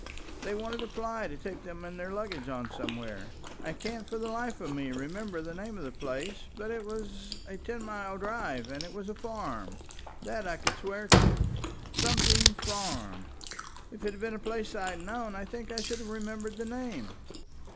They wanted a fly to take them and their luggage on somewhere I can't for the life of me remember the name of the place but it was a ten mile drive, and it was a farm that I could swear to Something Farm. If it had been a place I'd known, I think I should have remembered the name."